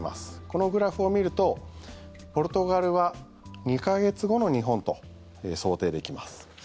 このグラフを見るとポルトガルは２か月後の日本と想定できます。